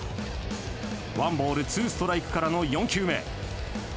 ワンボールツーストライクからの４球目。